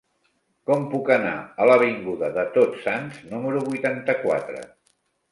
Com puc anar a l'avinguda de Tots Sants número vuitanta-quatre?